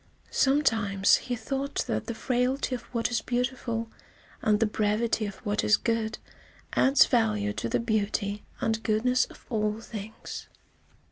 Sometimes he thought that the frailty of what is beautiful and the brevity of what is good adds value to the beauty and goodness of all things.